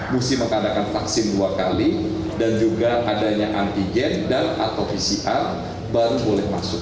mesti mengadakan vaksin dua kali dan juga adanya antigen atau pcr baru boleh masuk